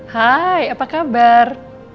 hai apa kabar